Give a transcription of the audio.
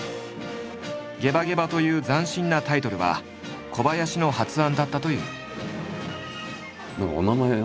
「ゲバゲバ」という斬新なタイトルは小林の発案だったという。